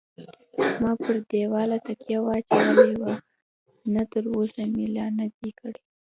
ما پر دېواله تکیه اچولې وه، نه تراوسه مې لا نه دی کړی.